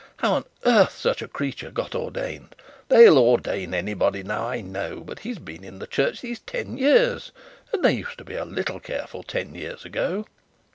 How on earth such a creature got ordained! they'll ordain anybody now, I know; but he's been in the church these ten years; and they used to be a little careful ten years ago.'